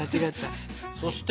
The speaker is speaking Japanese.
そして？